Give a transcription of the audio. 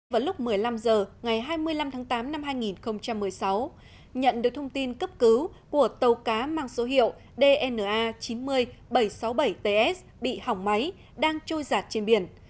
vào lúc một mươi năm h ngày hai mươi năm tháng tám năm hai nghìn một mươi sáu nhận được thông tin cấp cứu của tàu cá mang số hiệu dna chín mươi bảy trăm sáu mươi bảy ts bị hỏng máy đang trôi giặt trên biển